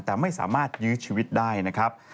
แต่ไม่สามารถยื้อชีวิตได้นะครับ